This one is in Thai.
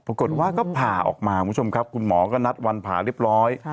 ปรากฏว่าก็ผ่าออกมาคุณหมอก็นัดวันผ่าเรียบร้อย